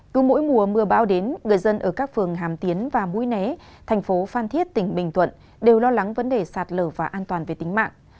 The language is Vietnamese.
cứ mỗi mùa mưa bão đến người dân ở các phường hàm tiến và mũi né thành phố phan thiết tỉnh bình thuận đều lo lắng vấn đề sạt lở và an toàn về tính mạng